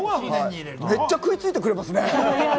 めちゃ食いついてくれますね！